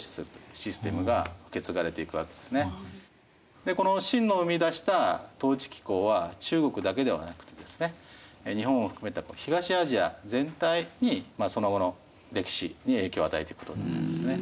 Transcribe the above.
でこの秦の生み出した統治機構は中国だけではなくてですね日本を含めた東アジア全体にその後の歴史に影響を与えていくことになりますね。